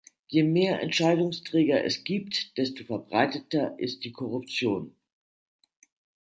Je mehr Entscheidungsträger es gibt, desto verbreiteter ist die Korruption.